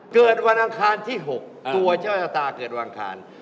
เกิดวันอังคารที่๖ตัวเจ้าชะตาเกิดวันอังคาร